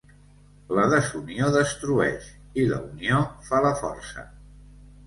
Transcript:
La desunió destrueix i la unió fa la força.